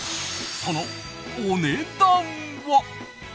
そのお値段は。